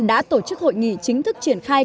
đã tổ chức hội nghị chính thức triển khai